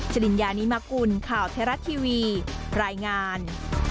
จริญญานิมกุลข่าวไทยรัฐทีวีรายงาน